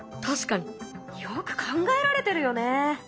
よく考えられてるよね！